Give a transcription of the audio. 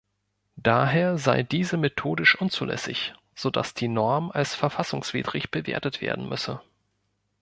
Daher sei diese methodisch unzulässig, sodass die Norm als verfassungswidrig bewertet werden müsse.